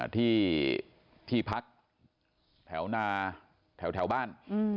ที่พักแถวหน้าแถวแถวบ้าน